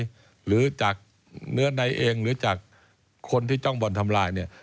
ออกไปยังไงหรือจากเนื้อในเองหรือจากคนที่จ้องบ่นทำลาย